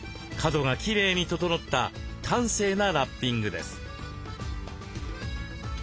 角がきれいに整った端正なラッピングです。